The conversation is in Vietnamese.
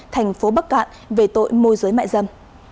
tp bắc cạn về tội môi giới mại dâm